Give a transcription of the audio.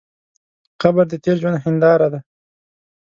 قبر د تېر ژوند هنداره ده.